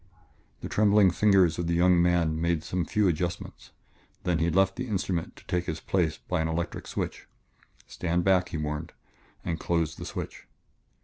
The trembling fingers of the young man made some few adjustments, then he left the instrument to take his place by an electric switch. "Stand back," he warned, and closed the switch.